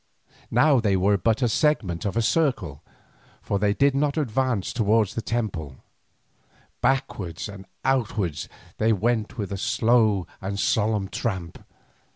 Now they were but a segment of a circle, for they did not advance towards the temple; backward and outward they went with a slow and solemn tramp.